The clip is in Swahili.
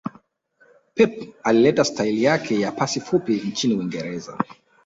Pep alileta staili yake ya pasi fupi nchini uingereza